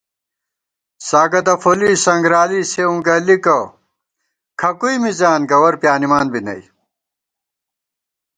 ساگہ دفولی سنگرالی سېوں گَلِکہ کھکُوئی مِزان گوَرپیانِمان بی نئ